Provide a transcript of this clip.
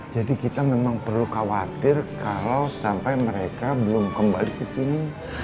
jadi kita memang perlu khawatir kalau sampai mereka belum kembali ke sini